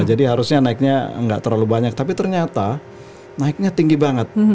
jadi harusnya naiknya nggak terlalu banyak tapi ternyata naiknya tinggi banget